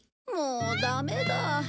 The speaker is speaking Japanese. もうダメだ。